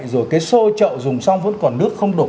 rồi cái xô trậu dùng xong vẫn còn nước không đổ